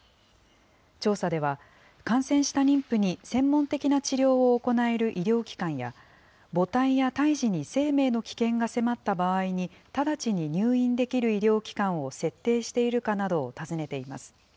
調査では、感染した妊婦に専門的な治療を行える医療機関や、母体や胎児に生命の危険が迫った場合に、直ちに入院できる医療機関を設定しているかなどを尋ねています。